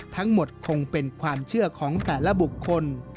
ทั้งหมดคงเป็นความเชื่อของแต่ละบุคคล